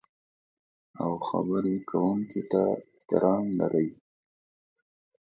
او خبرې کوونکي ته احترام لرئ.